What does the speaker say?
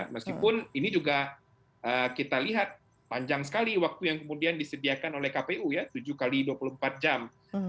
meskipun ini juga kita lihat panjang sekali waktu yang kemudian disediakan oleh kpu ya tujuh x dua puluh empat jam